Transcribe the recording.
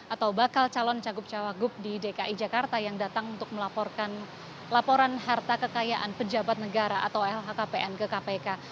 atau bakal calon cagup cawagup di dki jakarta yang datang untuk melaporkan laporan harta kekayaan pejabat negara atau lhkpn ke kpk